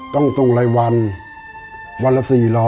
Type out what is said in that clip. ต้องส่งรายวันวันละ๔๐๐